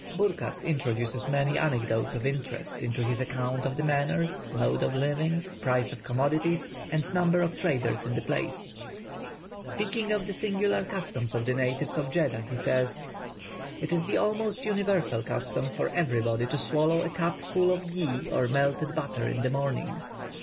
Burckhardt introduces many anecdotes of interest into his account of the manners, mode of living, price of commodities, and number of traders in the place. [Illustration: Merchant of Jeddah. (Fac simile of early engraving.)] Speaking of the singular customs of the natives of Jeddah, he says: "It is the almost universal custom for everybody to swallow a cup full of ghee or melted butter in the morning.